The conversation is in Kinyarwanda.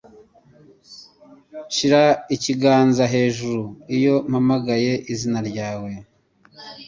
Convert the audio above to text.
Shira ikiganza hejuru iyo mpamagaye izina ryawe.